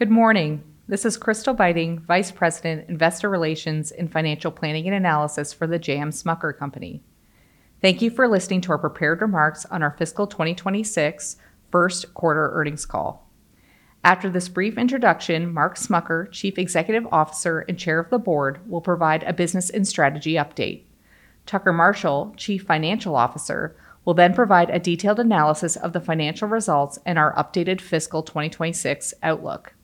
Good morning. This is Crystal Beiting, Vice President, Investor Relations and Financial Planning and Analysis for The J.M. Smucker Company. Thank you for listening to our prepared remarks on our Fiscal 2026 First Quarter Earnings Call. After this brief introduction, Mark Smucker, Chief Executive Officer and Chair of the Board, will provide a business and strategy update. Tucker Marshall, Chief Financial Officer, will then provide a detailed analysis of the financial results and our updated fiscal 2026 outlook.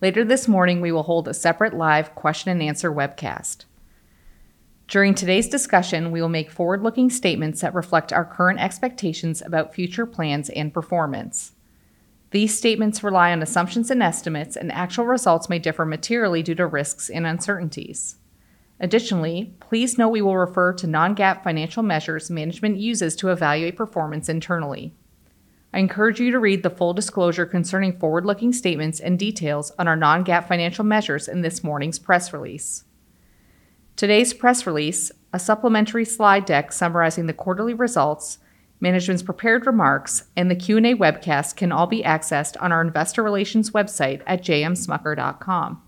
Later this morning, we will hold a separate live question and answer webcast. During today's discussion, we will make forward-looking statements that reflect our current expectations about future plans and performance. These statements rely on assumptions and estimates, and actual results may differ materially due to risks and uncertainties. Additionally, please note we will refer to non-GAAP financial measures management uses to evaluate performance internally. I encourage you to read the full disclosure concerning forward-looking statements and details on our non-GAAP financial measures in this morning's press release. Today's press release, a supplementary slide deck summarizing the quarterly results, Management's prepared remarks, and the Q&A webcast can all be accessed on our Investor Relations website at jmsmucker.com.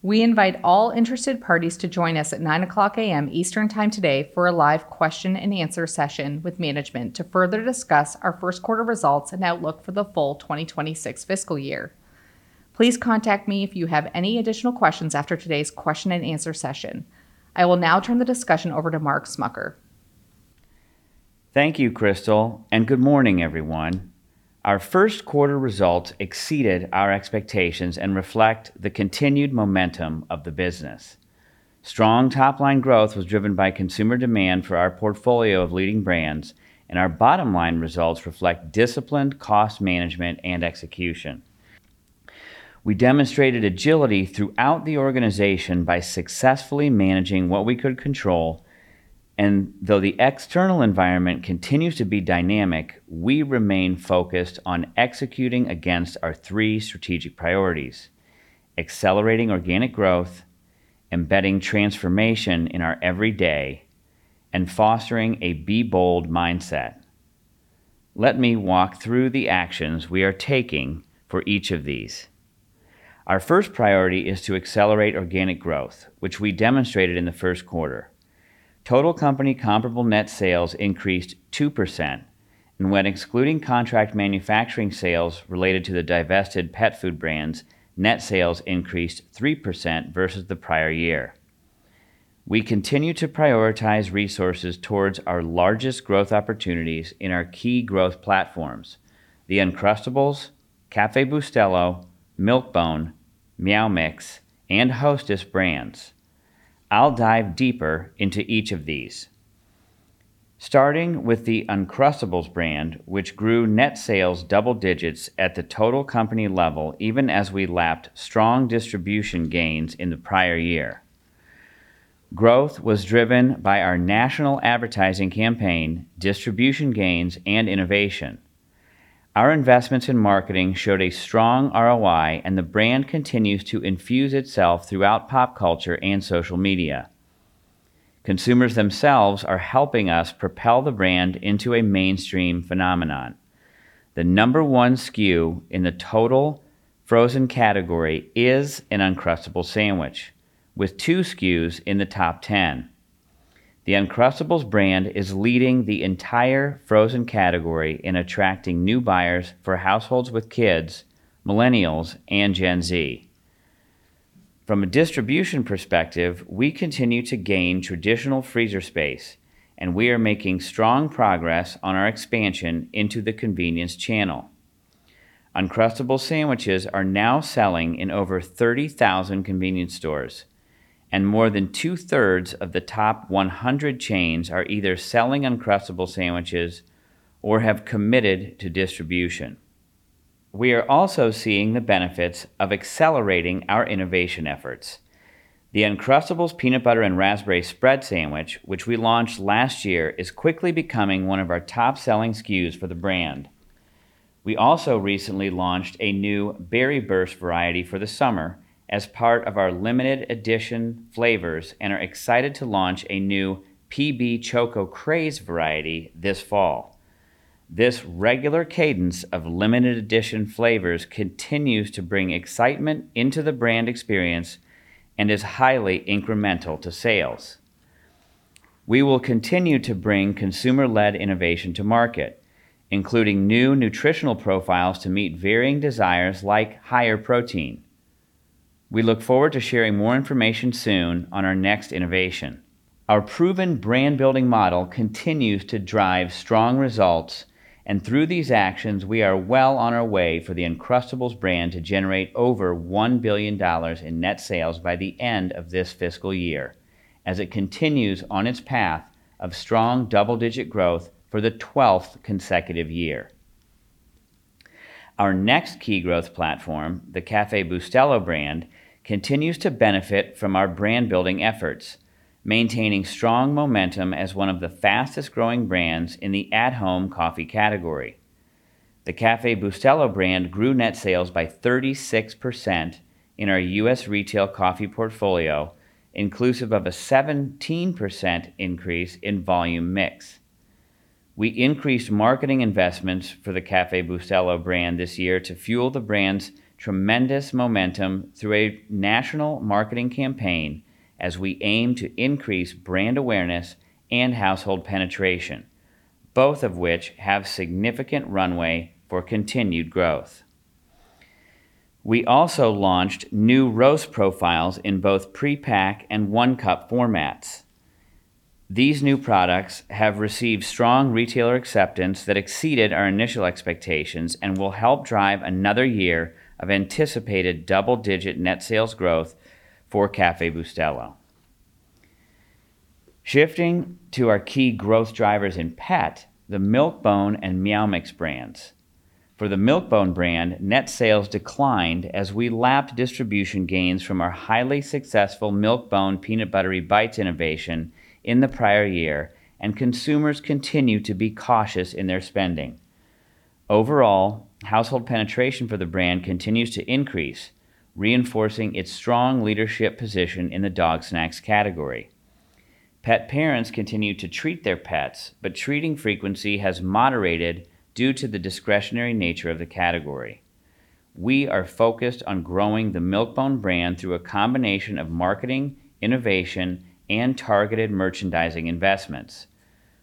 We invite all interested parties to join us at 9:00 A.M. Eastern Time today for a live question and answer session with Management to further discuss our first quarter results and outlook for the full 2026 fiscal year. Please contact me if you have any additional questions after today's question and answer session. I will now turn the discussion over to Mark Smucker. Thank you, Crystal, and good morning, everyone. Our first quarter results exceeded our expectations and reflect the continued momentum of the business. Strong top-line growth was driven by consumer demand for our portfolio of leading brands, and our bottom-line results reflect disciplined cost management and execution. We demonstrated agility throughout the organization by successfully managing what we could control, and though the external environment continues to be dynamic, we remain focused on executing against our three strategic priorities: accelerating organic growth, embedding transformation in our every day, and fostering a Be Bold mindset. Let me walk through the actions we are taking for each of these. Our first priority is to accelerate organic growth, which we demonstrated in the first quarter. Total company comparable net sales increased 2%, and when excluding contract manufacturing sales related to the divested pet food brands, net sales increased 3% versus the prior year. We continue to prioritize resources towards our largest growth opportunities in our key growth platforms: the Uncrustables, Café Bustelo, Milk-Bone, Meow Mix, and Hostess brands. I'll dive deeper into each of these. Starting with the Uncrustables brand, which grew net sales double digits at the total company level even as we lapped strong distribution gains in the prior year. Growth was driven by our national advertising campaign, distribution gains, and innovation. Our investments in marketing showed a strong ROI, and the brand continues to infuse itself throughout pop culture and social media. Consumers themselves are helping us propel the brand into a mainstream phenomenon. The number one SKU in the total frozen category is an Uncrustables sandwich, with two SKUs in the top ten. The Uncrustables brand is leading the entire frozen category in attracting new buyers for households with kids, Millennials, and Gen Z. From a distribution perspective, we continue to gain traditional freezer space, and we are making strong progress on our expansion into the convenience channel. Uncrustables sandwiches are now selling in over 30,000 convenience stores, and more than two-thirds of the top 100 chains are either selling Uncrustables sandwiches or have committed to distribution. We are also seeing the benefits of accelerating our innovation efforts. The Uncrustables peanut butter and raspberry spread sandwich, which we launched last year, is quickly becoming one of our top-selling SKUs for the brand. We also recently launched a new Berry Burst variety for the summer as part of our limited edition flavors and are excited to launch a new PB Choco Craze variety this fall. This regular cadence of limited edition flavors continues to bring excitement into the brand experience and is highly incremental to sales. We will continue to bring consumer-led innovation to market, including new nutritional profiles to meet varying desires like higher protein. We look forward to sharing more information soon on our next innovation. Our proven brand-building model continues to drive strong results, and through these actions, we are well on our way for the Uncrustables brand to generate over $1 billion in net sales by the end of this fiscal year, as it continues on its path of strong double-digit growth for the 12th consecutive year. Our next key growth platform, the Café Bustelo brand, continues to benefit from our brand-building efforts, maintaining strong momentum as one of the fastest-growing brands in the at-home coffee category. The Café Bustelo brand grew net sales by 36% in our U.S. retail coffee portfolio, inclusive of a 17% increase in volume mix. We increased marketing investments for the Café Bustelo brand this year to fuel the brand's tremendous momentum through a national marketing campaign, as we aim to increase brand awareness and household penetration, both of which have significant runway for continued growth. We also launched new roast profiles in both pre-pack and one-cup formats. These new products have received strong retailer acceptance that exceeded our initial expectations and will help drive another year of anticipated double-digit net sales growth for Café Bustelo. Shifting to our key growth drivers in pet, the Milk-Bone and Meow Mix brands. For the Milk-Bone brand, net sales declined as we lapped distribution gains from our highly successful Milk-Bone peanut buttery bites innovation in the prior year, and consumers continue to be cautious in their spending. Overall, household penetration for the brand continues to increase, reinforcing its strong leadership position in the dog snacks category. Pet parents continue to treat their pets, but treating frequency has moderated due to the discretionary nature of the category. We are focused on growing the Milk-Bone brand through a combination of marketing, innovation, and targeted merchandising investments.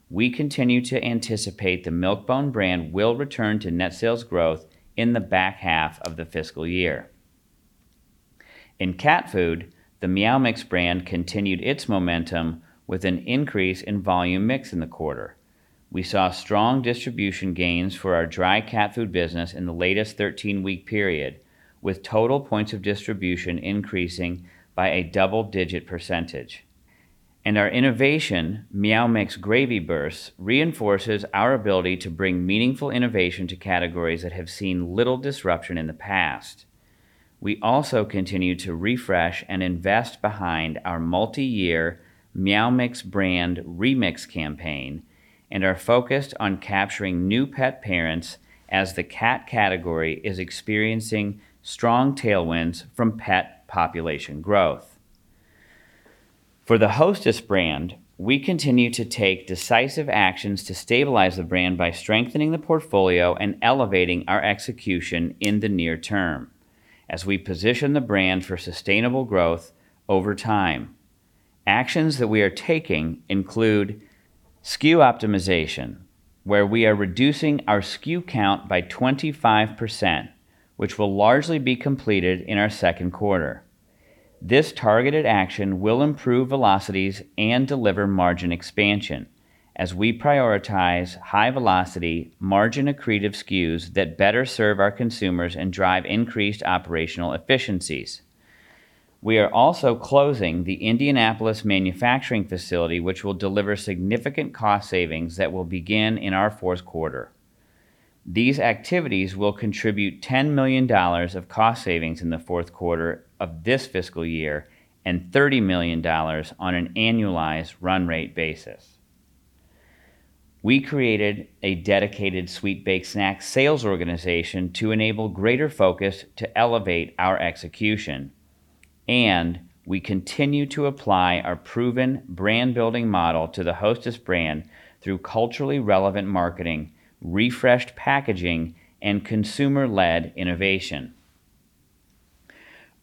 We continue to anticipate the Milk-Bone brand will return to net sales growth in the back half of the fiscal year. In cat food, the Meow Mix brand continued its momentum with an increase in volume mix in the quarter. We saw strong distribution gains for our dry cat food business in the latest 13-week period, with total points of distribution increasing by a double-digit %. Our innovation, Meow Mix Gravy Bursts, reinforces our ability to bring meaningful innovation to categories that have seen little disruption in the past. We also continue to refresh and invest behind our multi-year Meow Mix brand remix campaign and are focused on capturing new pet parents as the cat category is experiencing strong tailwinds from pet population growth. For the Hostess brand, we continue to take decisive actions to stabilize the brand by strengthening the portfolio and elevating our execution in the near term as we position the brand for sustainable growth over time. Actions that we are taking include SKU optimization, where we are reducing our SKU count by 25%, which will largely be completed in our second quarter. This targeted action will improve velocities and deliver margin expansion as we prioritize high-velocity, margin-accretive SKUs that better serve our consumers and drive increased operational efficiencies. We are also closing the Indianapolis manufacturing facility, which will deliver significant cost savings that will begin in our fourth quarter. These activities will contribute $10 million of cost savings in the fourth quarter of this fiscal year and $30 million on an annualized run rate basis. We created a dedicated sweet baked snacks sales organization to enable greater focus to elevate our execution, and we continue to apply our proven brand-building model to the Hostess brand through culturally relevant marketing, refreshed packaging, and consumer-led innovation.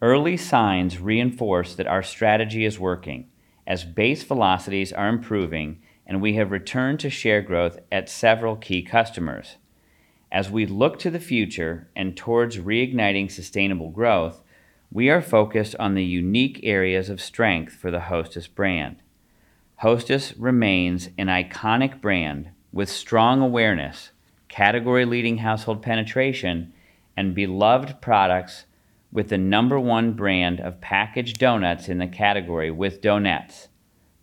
Early signs reinforce that our strategy is working, as base velocities are improving and we have returned to share growth at several key customers. As we look to the future and towards reigniting sustainable growth, we are focused on the unique areas of strength for the Hostess brand. Hostess remains an iconic brand with strong awareness, category-leading household penetration, and beloved products, with the number one brand of packaged donuts in the category with Donettes,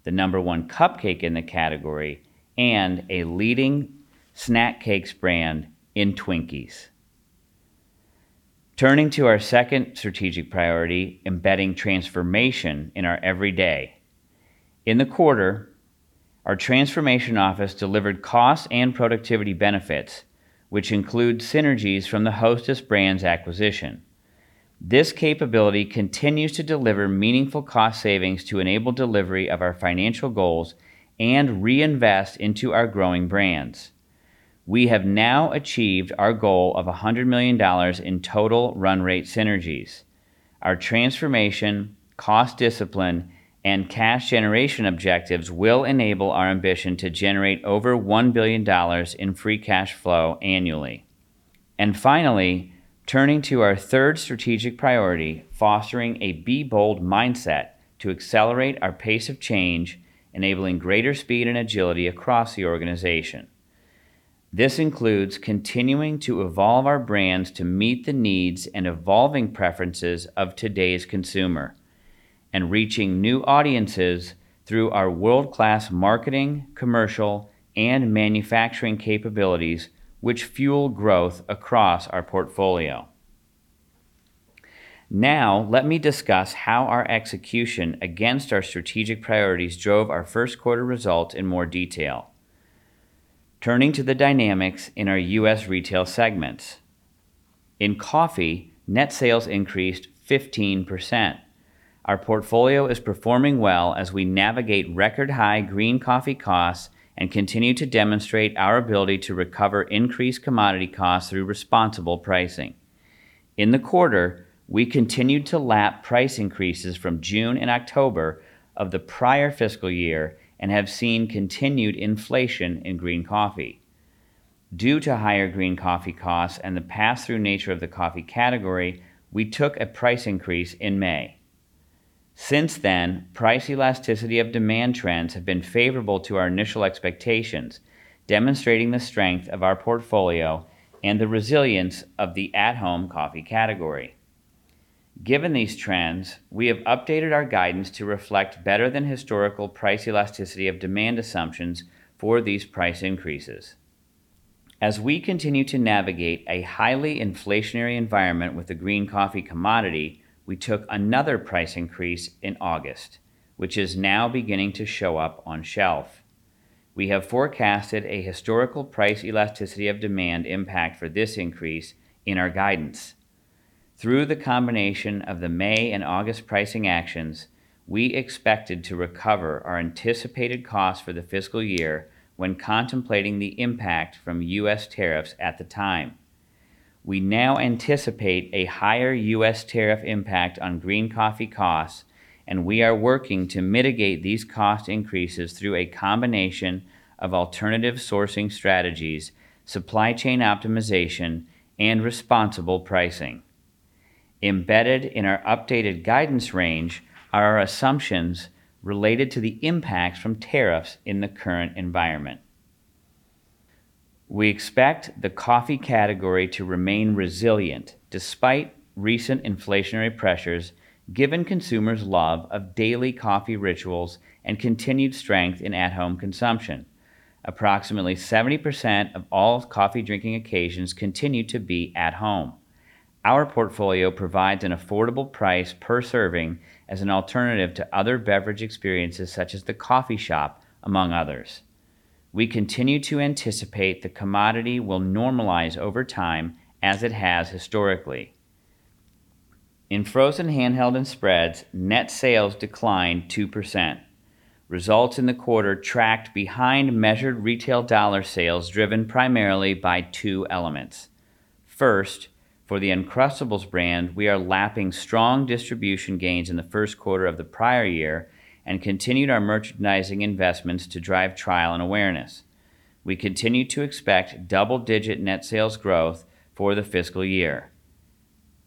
the number one cupcake in the category, and a leading snack cakes brand in Twinkies. Turning to our second strategic priority, embedding transformation in our every day. In the quarter, our transformation office delivered cost and productivity benefits, which include synergies from the Hostess brand's acquisition. This capability continues to deliver meaningful cost savings to enable delivery of our financial goals and reinvest into our growing brands. We have now achieved our goal of $100 million in total run rate synergies. Our transformation, cost discipline, and cash generation objectives will enable our ambition to generate over $1 billion in free cash flow annually. Finally, turning to our third strategic priority, fostering a Be Bold mindset to accelerate our pace of change, enabling greater speed and agility across the organization. This includes continuing to evolve our brands to meet the needs and evolving preferences of today's consumer and reaching new audiences through our world-class marketing, commercial, and manufacturing capabilities, which fuel growth across our portfolio. Now, let me discuss how our execution against our strategic priorities drove our first quarter results in more detail. Turning to the dynamics in our U.S. retail segments. In coffee, net sales increased 15%. Our portfolio is performing well as we navigate record-high green coffee costs and continue to demonstrate our ability to recover increased commodity costs through responsible pricing. In the quarter, we continued to lap price increases from June and October of the prior fiscal year and have seen continued inflation in green coffee. Due to higher green coffee costs and the pass-through nature of the coffee category, we took a price increase in May. Since then, price elasticity of demand trends have been favorable to our initial expectations, demonstrating the strength of our portfolio and the resilience of the at-home coffee category. Given these trends, we have updated our guidance to reflect better than historical price elasticity of demand assumptions for these price increases. As we continue to navigate a highly inflationary environment with the green coffee commodity, we took another price increase in August, which is now beginning to show up on shelf. We have forecasted a historical price elasticity of demand impact for this increase in our guidance. Through the combination of the May and August pricing actions, we expected to recover our anticipated costs for the fiscal year when contemplating the impact from U.S. tariffs at the time. We now anticipate a higher U.S. tariff impact on green coffee costs, and we are working to mitigate these cost increases through a combination of alternative sourcing strategies, supply chain optimization, and responsible pricing. Embedded in our updated guidance range are our assumptions related to the impacts from tariffs in the current environment. We expect the coffee category to remain resilient despite recent inflationary pressures, given consumers' love of daily coffee rituals and continued strength in at-home consumption. Approximately 70% of all coffee drinking occasions continue to be at home. Our portfolio provides an affordable price per serving as an alternative to other beverage experiences such as the coffee shop, among others. We continue to anticipate the commodity will normalize over time as it has historically. In frozen handheld and spreads, net sales declined 2%. Results in the quarter tracked behind measured retail dollar sales, driven primarily by two elements. First, for the Uncrustables brand, we are lapping strong distribution gains in the first quarter of the prior year and continued our merchandising investments to drive trial and awareness. We continue to expect double-digit net sales growth for the fiscal year.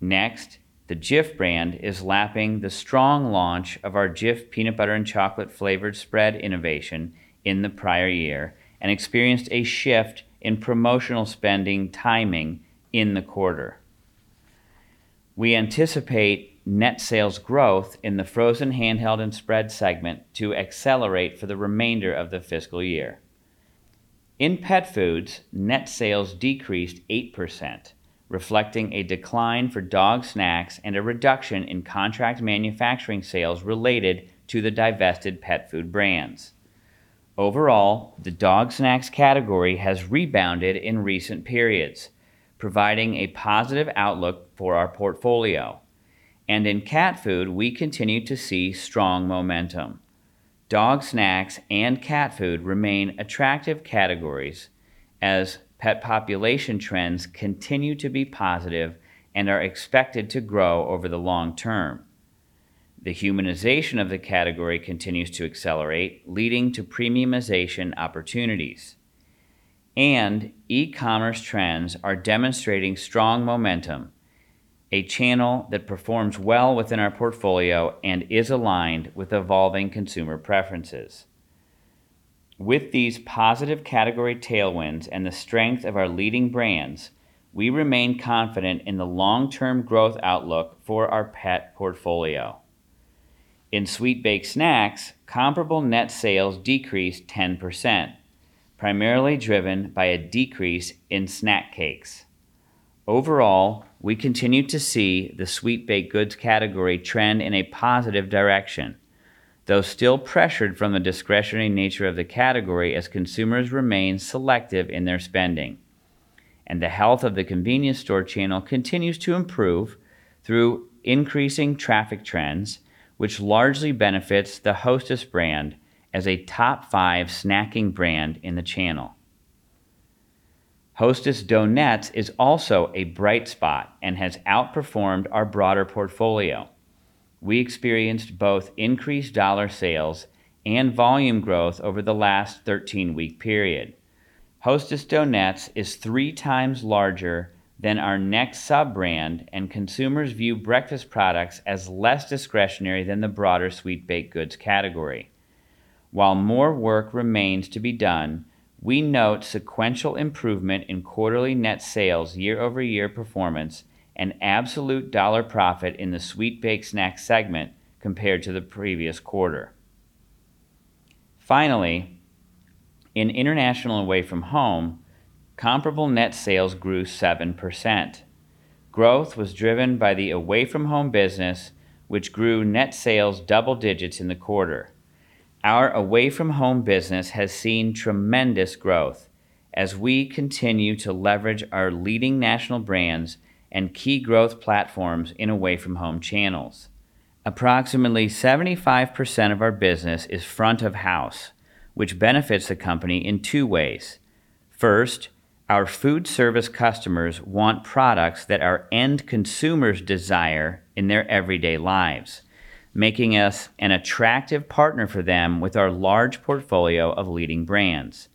Next, the Jif brand is lapping the strong launch of our Jif Peanut Butter and Chocolate Flavored Spread innovation in the prior year and experienced a shift in promotional spending timing in the quarter. We anticipate net sales growth in the frozen handheld and spread segment to accelerate for the remainder of the fiscal year. In pet foods, net sales decreased 8%, reflecting a decline for dog snacks and a reduction in contract manufacturing sales related to the divested pet food brands. Overall, the dog snacks category has rebounded in recent periods, providing a positive outlook for our portfolio. In cat food, we continue to see strong momentum. Dog snacks and cat food remain attractive categories as pet population trends continue to be positive and are expected to grow over the long term. The humanization of the category continues to accelerate, leading to premiumization opportunities. E-commerce trends are demonstrating strong momentum, a channel that performs well within our portfolio and is aligned with evolving consumer preferences. With these positive category tailwinds and the strength of our leading brands, we remain confident in the long-term growth outlook for our pet portfolio. In sweet-baked snacks, comparable net sales decreased 10%, primarily driven by a decrease in snack cakes. Overall, we continue to see the sweet-baked goods category trend in a positive direction, though still pressured from the discretionary nature of the category as consumers remain selective in their spending. The health of the convenience store channel continues to improve through increasing traffic trends, which largely benefits the Hostess brand as a top five snacking brand in the channel. Hostess Donettes is also a bright spot and has outperformed our broader portfolio. We experienced both increased dollar sales and volume growth over the last 13-week period. Hostess Donettes is 3x larger than our next sub-brand, and consumers view breakfast products as less discretionary than the broader sweet-baked goods category. While more work remains to be done, we note sequential improvement in quarterly net sales, year-over-year performance, and absolute dollar profit in the sweet-baked snacks segment compared to the previous quarter. Finally, in international Away From Home, comparable net sales grew 7%. Growth was driven by the Away From Home business, which grew net sales double digits in the quarter. Our Away From Home business has seen tremendous growth as we continue to leverage our leading national brands and key growth platforms in Away From Home channels. Approximately 75% of our business is front of house, which benefits the company in two ways. First, our food service customers want products that our end consumers desire in their everyday lives, making us an attractive partner for them with our large portfolio of leading brands.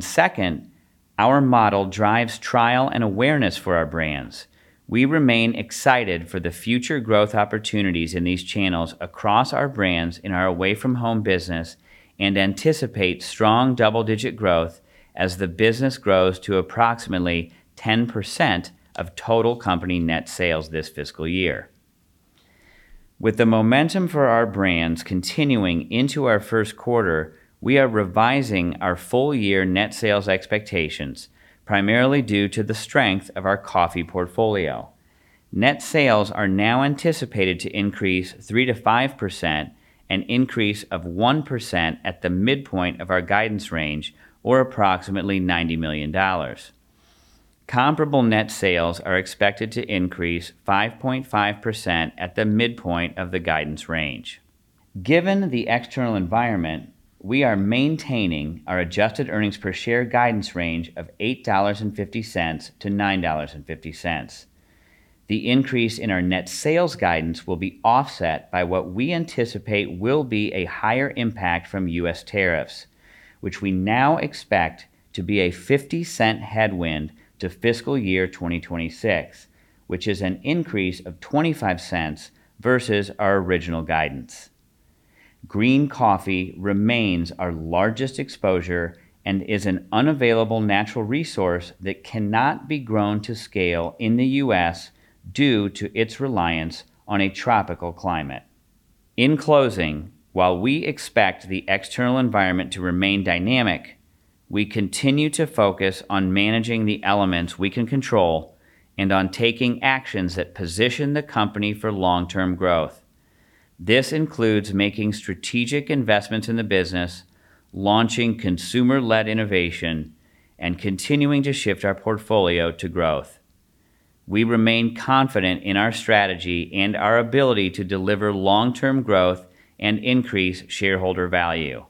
Second, our model drives trial and awareness for our brands. We remain excited for the future growth opportunities in these channels across our brands in our Away From Home business and anticipate strong double-digit growth as the business grows to approximately 10% of total company net sales this fiscal year. With the momentum for our brands continuing into our first quarter, we are revising our full-year net sales expectations, primarily due to the strength of our coffee portfolio. Net sales are now anticipated to increase 3% to 5%, an increase of 1% at the midpoint of our guidance range, or approximately $90 million. Comparable net sales are expected to increase 5.5% at the midpoint of the guidance range. Given the external environment, we are maintaining our adjusted earnings per share guidance range of $8.50-$9.50. The increase in our net sales guidance will be offset by what we anticipate will be a higher impact from U.S. tariffs, which we now expect to be a $0.50 headwind to fiscal year 2026, which is an increase of $0.25 versus our original guidance. Green coffee remains our largest exposure and is an unavailable natural resource that cannot be grown to scale in the U.S. due to its reliance on a tropical climate. In closing, while we expect the external environment to remain dynamic, we continue to focus on managing the elements we can control and on taking actions that position the company for long-term growth. This includes making strategic investments in the business, launching consumer-led innovation, and continuing to shift our portfolio to growth. We remain confident in our strategy and our ability to deliver long-term growth and increase shareholder value.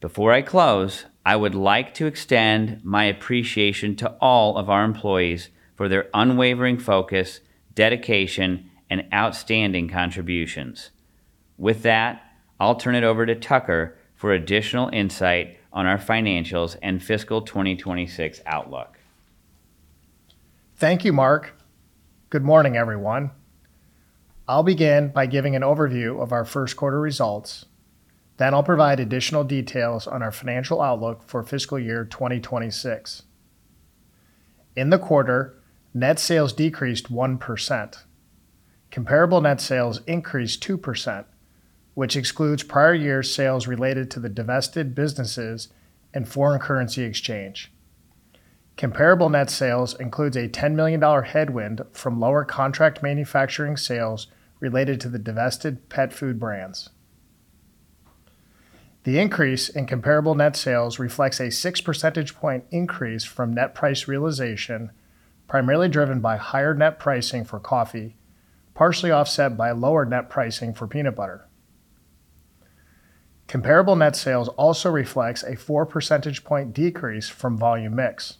Before I close, I would like to extend my appreciation to all of our employees for their unwavering focus, dedication, and outstanding contributions. With that, I'll turn it over to Tucker for additional insight on our financials and fiscal 2026 outlook. Thank you, Mark. Good morning, everyone. I'll begin by giving an overview of our first quarter results. Then I'll provide additional details on our financial outlook for fiscal year 2026. In the quarter, net sales decreased 1%. Comparable net sales increased 2%, which excludes prior year's sales related to the divested businesses and foreign currency exchange. Comparable net sales include a $10 million headwind from lower contract manufacturing sales related to the divested pet food brands. The increase in comparable net sales reflects a 6% increase from net price realization, primarily driven by higher net pricing for coffee, partially offset by lower net pricing for peanut butter. Comparable net sales also reflect a 4% decrease from volume mix.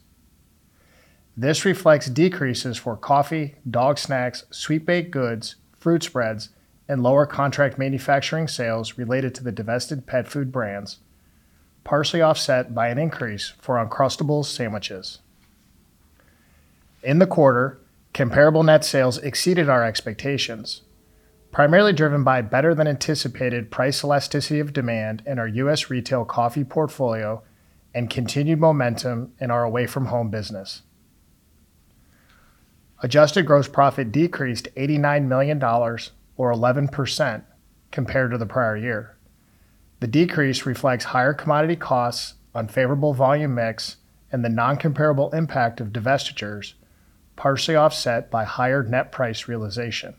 This reflects decreases for coffee, dog snacks, sweet-baked goods, fruit spreads, and lower contract manufacturing sales related to the divested pet food brands, partially offset by an increase for Uncrustables sandwiches. In the quarter, comparable net sales exceeded our expectations, primarily driven by better-than-anticipated price elasticity of demand in our U.S. retail coffee portfolio and continued momentum in our Away From Home business. Adjusted gross profit decreased $89 million, or 11% compared to the prior year. The decrease reflects higher commodity costs, unfavorable volume mix, and the non-comparable impact of divestitures, partially offset by higher net price realization.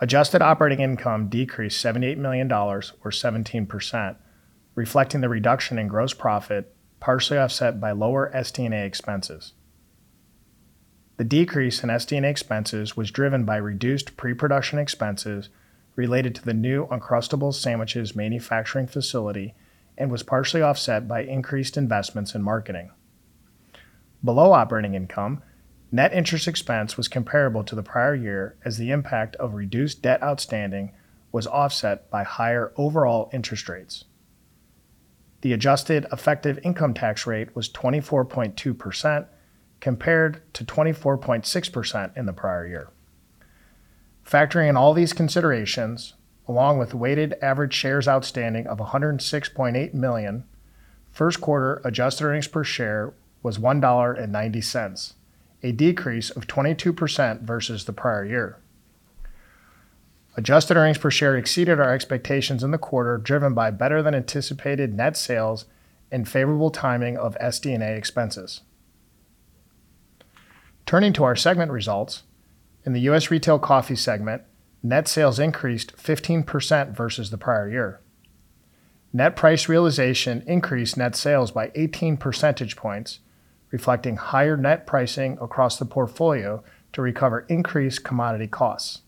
Adjusted operating income decreased $78 million, or 17%, reflecting the reduction in gross profit, partially offset by lower SD&A expenses. The decrease in SD&A expenses was driven by reduced pre-production expenses related to the new Uncrustables sandwiches manufacturing facility and was partially offset by increased investments in marketing. Below operating income, net interest expense was comparable to the prior year as the impact of reduced debt outstanding was offset by higher overall interest rates. The adjusted effective income tax rate was 24.2% compared to 24.6% in the prior year. Factoring in all these considerations, along with weighted average shares outstanding of 106.8 million, first quarter adjusted earnings per share was $1.90, a decrease of 22% versus the prior year. Adjusted earnings per share exceeded our expectations in the quarter, driven by better-than-anticipated net sales and favorable timing of SD&A expenses. Turning to our segment results, in the U.S. retail coffee segment, net sales increased 15% versus the prior year. Net price realization increased net sales by 18 percentage points, reflecting higher net pricing across the portfolio to recover increased commodity costs.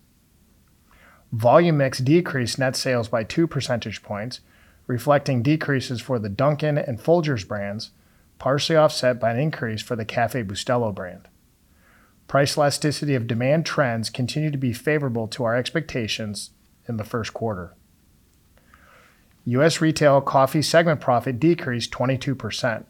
Volume mix decreased net sales by 2 percentage points, reflecting decreases for the Dunkin' and Folgers brands, partially offset by an increase for the Café Bustelo brand. Price elasticity of demand trends continued to be favorable to our expectations in the first quarter. U.S. retail coffee segment profit decreased 22%,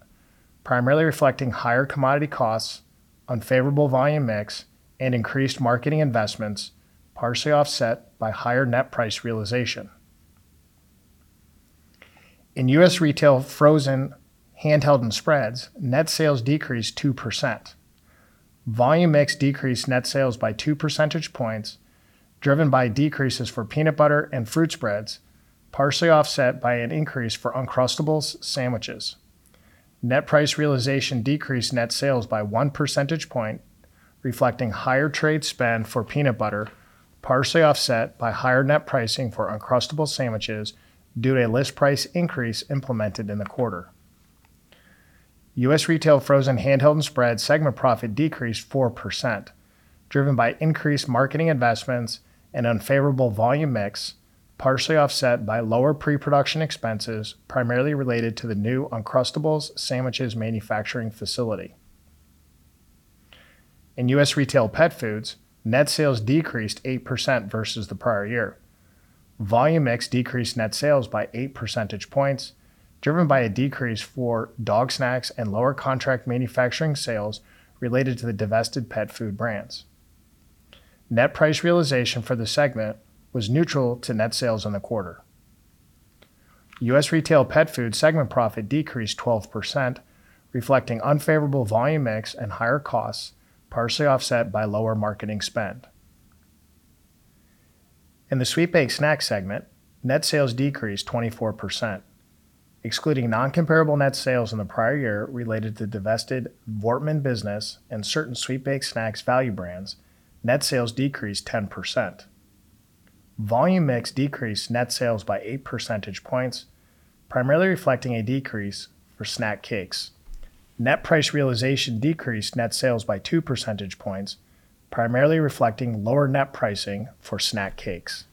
primarily reflecting higher commodity costs, unfavorable volume mix, and increased marketing investments, partially offset by higher net price realization. In U.S. retail frozen handheld and spreads, net sales decreased 2%. Volume mix decreased net sales by 2 percentage points, driven by decreases for peanut butter and fruit spreads, partially offset by an increase for Uncrustables sandwiches. Net price realization decreased net sales by 1 percentage point, reflecting higher trade spend for peanut butter, partially offset by higher net pricing for Uncrustables sandwiches due to a list price increase implemented in the quarter. U.S. retail frozen handheld and spreads segment profit decreased 4%, driven by increased marketing investments and unfavorable volume mix, partially offset by lower pre-production expenses, primarily related to the new Uncrustables sandwiches manufacturing facility. In U.S. retail pet foods, net sales decreased 8% versus the prior year. Volume mix decreased net sales by 8 percentage points, driven by a decrease for dog snacks and lower contract manufacturing sales related to the divested pet food brands. Net price realization for the segment was neutral to net sales in the quarter. U.S. retail pet food segment profit decreased 12%, reflecting unfavorable volume mix and higher costs, partially offset by lower marketing spend. In the sweet-baked snacks segment, net sales decreased 24%. Excluding non-comparable net sales in the prior year related to divested Voortmann business and certain sweet-baked snacks value brands, net sales decreased 10%. Volume mix decreased net sales by 8 percentage points, primarily reflecting a decrease for snack cakes. Net price realization decreased net sales by 2 percentage points, primarily reflecting lower net pricing for snack cakes.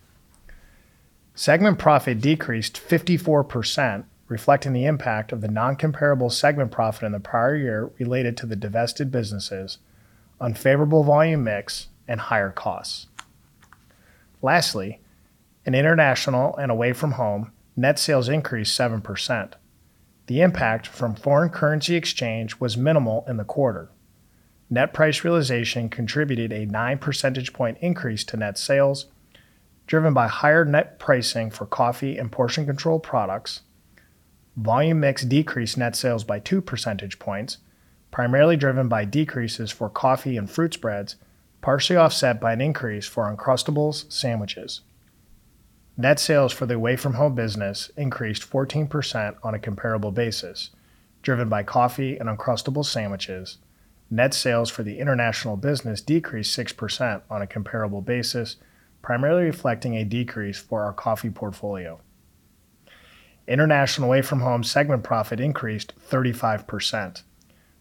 Segment profit decreased 54%, reflecting the impact of the non-comparable segment profit in the prior year related to the divested businesses, unfavorable volume mix, and higher costs. Lastly, in International and Away From Home, net sales increased 7%. The impact from foreign currency exchange was minimal in the quarter. Net price realization contributed a 9% increase to net sales, driven by higher net pricing for coffee and portion-controlled products. Volume mix decreased net sales by 2%, primarily driven by decreases for coffee and fruit spreads, partially offset by an increase for Uncrustables sandwiches. Net sales for the Away From Home business increased 14% on a comparable basis, driven by coffee and Uncrustables sandwiches. Net sales for the International business decreased 6% on a comparable basis, primarily reflecting a decrease for our coffee portfolio. International Away From Home segment profit increased 35%,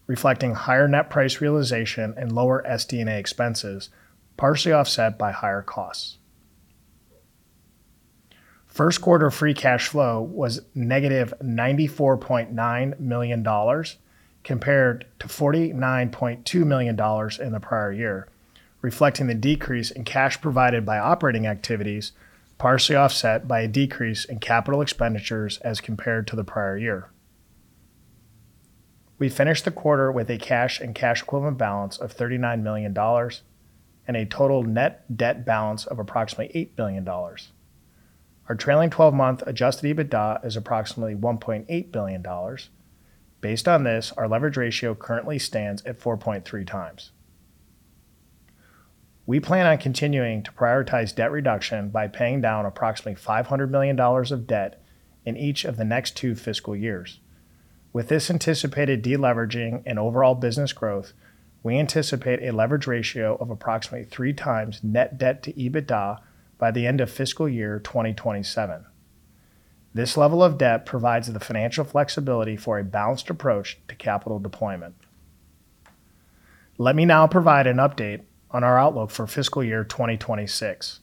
reflecting higher net price realization and lower SD&A expenses, partially offset by higher costs. First quarter free cash flow was negative $94.9 million compared to $49.2 million in the prior year, reflecting the decrease in cash provided by operating activities, partially offset by a decrease in capital expenditures as compared to the prior year. We finished the quarter with a cash and cash equivalent balance of $39 million and a total net debt balance of approximately $8 billion. Our trailing 12-month adjusted EBITDA is approximately $1.8 billion. Based on this, our leverage ratio currently stands at 4.3 times. We plan on continuing to prioritize debt reduction by paying down approximately $500 million of debt in each of the next two fiscal years. With this anticipated deleveraging and overall business growth, we anticipate a leverage ratio of approximately three times net debt to EBITDA by the end of fiscal year 2027. This level of debt provides the financial flexibility for a balanced approach to capital deployment. Let me now provide an update on our outlook for fiscal year 2026.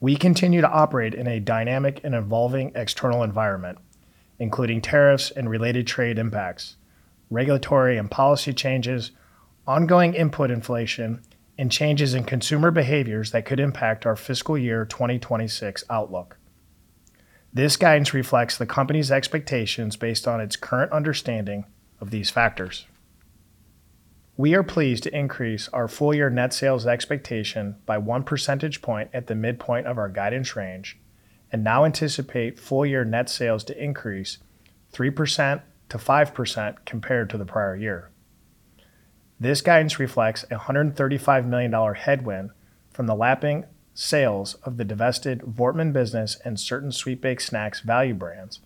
We continue to operate in a dynamic and evolving external environment, including tariffs and related trade impacts, regulatory and policy changes, ongoing input inflation, and changes in consumer behaviors that could impact our fiscal year 2026 outlook. This guidance reflects the company's expectations based on its current understanding of these factors. We are pleased to increase our full-year net sales expectation by one percentage point at the midpoint of our guidance range and now anticipate full-year net sales to increase 3% to 5% compared to the prior year. This guidance reflects a $135 million headwind from the lapping sales of the divested Wortmann business and certain sweet baked snacks value brands,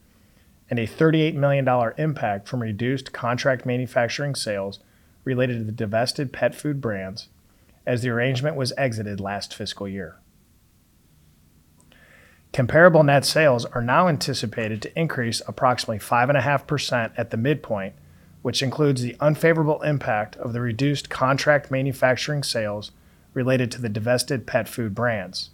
and a $38 million impact from reduced contract manufacturing sales related to the divested pet food brands as the arrangement was exited last fiscal year. Comparable net sales are now anticipated to increase approximately 5.5% at the midpoint, which includes the unfavorable impact of the reduced contract manufacturing sales related to the divested pet food brands.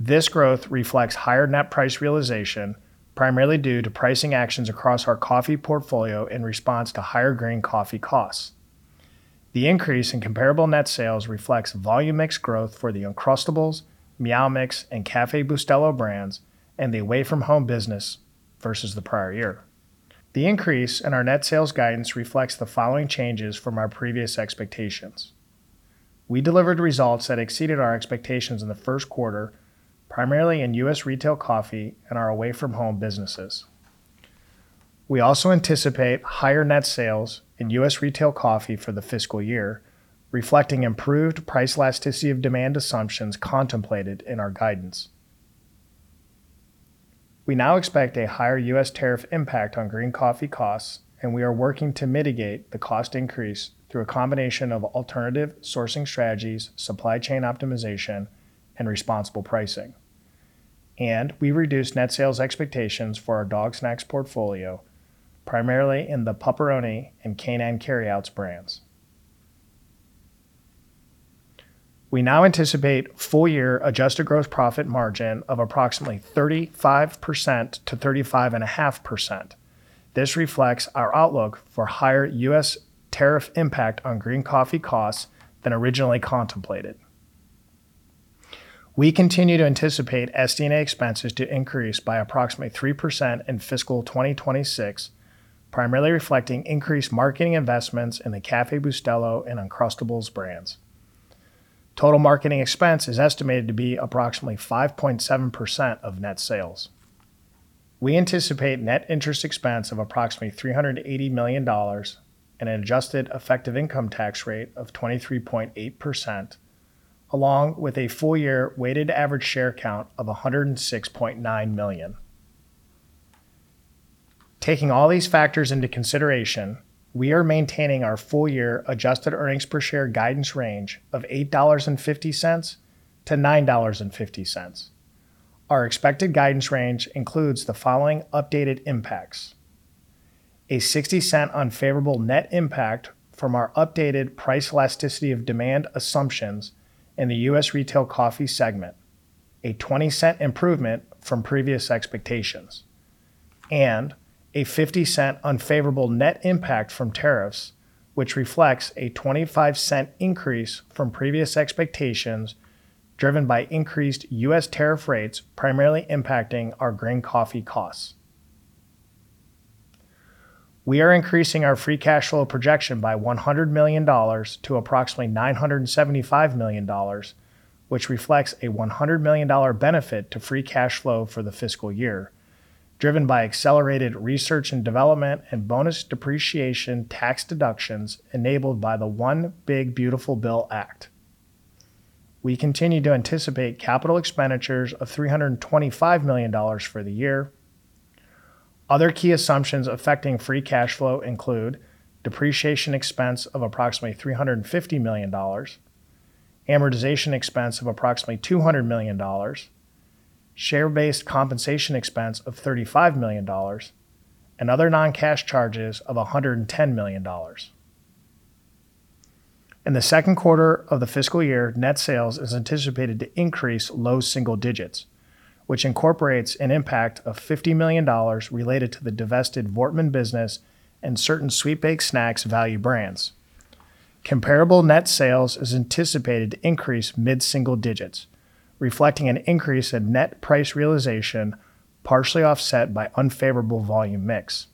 This growth reflects higher net price realization, primarily due to pricing actions across our coffee portfolio in response to higher green coffee costs. The increase in comparable net sales reflects volume mix growth for the Uncrustables, Meow Mix, and Café Bustelo brands and the Away From Home business versus the prior year. The increase in our net sales guidance reflects the following changes from our previous expectations. We delivered results that exceeded our expectations in the first quarter, primarily in U.S. retail coffee and our Away From Home businesses. We also anticipate higher net sales in U.S. retail coffee for the fiscal year, reflecting improved price elasticity of demand assumptions contemplated in our guidance. We now expect a higher U.S. tariff impact on green coffee costs, and we are working to mitigate the cost increase through a combination of alternative sourcing strategies, supply chain optimization, and responsible pricing. We reduced net sales expectations for our dog snacks portfolio, primarily in the Pup-Peroni and Canine Carry Outs brands. We now anticipate full-year adjusted gross profit margin of approximately 35%-35.5%. This reflects our outlook for higher U.S. tariff impact on green coffee costs than originally contemplated. We continue to anticipate SD&A expenses to increase by approximately 3% in fiscal 2026, primarily reflecting increased marketing investments in the Café Bustelo and Uncrustables brands. Total marketing expense is estimated to be approximately 5.7% of net sales. We anticipate net interest expense of approximately $380 million and an adjusted effective income tax rate of 23.8%, along with a full-year weighted average share count of 106.9 million. Taking all these factors into consideration, we are maintaining our full-year adjusted earnings per share guidance range of $8.50-$9.50. Our expected guidance range includes the following updated impacts: a $0.60 unfavorable net impact from our updated price elasticity of demand assumptions in the U.S. retail coffee segment, a $0.20 improvement from previous expectations, and a $0.50 unfavorable net impact from tariffs, which reflects a $0.25 increase from previous expectations driven by increased U.S. tariff rates, primarily impacting our green coffee costs. We are increasing our free cash flow projection by $100 million to approximately $975 million, which reflects a $100 million benefit to free cash flow for the fiscal year, driven by accelerated research and development and bonus depreciation tax deductions enabled by the One Big Beautiful Bill Act. We continue to anticipate capital expenditures of $325 million for the year. Other key assumptions affecting free cash flow include depreciation expense of approximately $350 million, amortization expense of approximately $200 million, share-based compensation expense of $35 million, and other non-cash charges of $110 million. In the second quarter of the fiscal year, net sales is anticipated to increase low single digits, which incorporates an impact of $50 million related to the divested Voortman business and certain sweet-baked snacks value brands. Comparable net sales is anticipated to increase mid-single digits, reflecting an increase in net price realization, partially offset by unfavorable volume mix.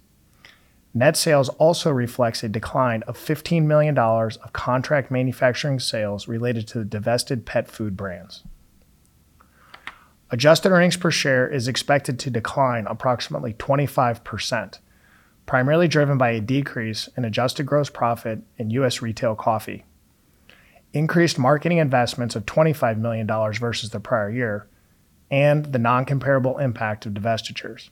Net sales also reflect a decline of $15 million of contract manufacturing sales related to the divested pet food brands. Adjusted earnings per share is expected to decline approximately 25%, primarily driven by a decrease in adjusted gross profit in U.S. retail coffee, increased marketing investments of $25 million versus the prior year, and the non-comparable impact of divestitures.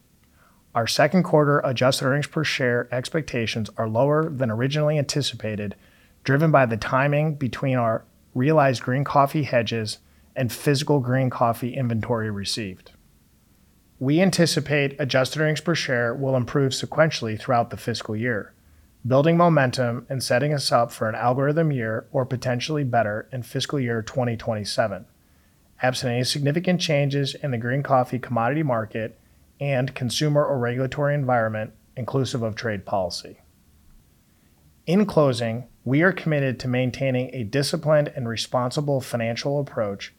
Our second quarter adjusted earnings per share expectations are lower than originally anticipated, driven by the timing between our realized green coffee hedges and physical green coffee inventory received. We anticipate adjusted earnings per share will improve sequentially throughout the fiscal year, building momentum and setting us up for an algorithm year or potentially better in fiscal year 2027, absent any significant changes in the green coffee commodity market and consumer or regulatory environment, inclusive of trade policy. In closing, we are committed to maintaining a disciplined and responsible financial approach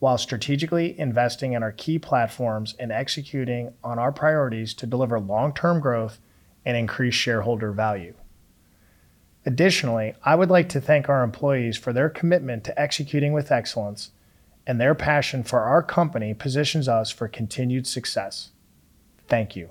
while strategically investing in our key platforms and executing on our priorities to deliver long-term growth and increase shareholder value. Additionally, I would like to thank our employees for their commitment to executing with excellence, and their passion for our company positions us for continued success. Thank you.